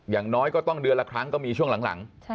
อย่างน้อยก็ต้องเดือนละครั้งก็มีช่วงหลัง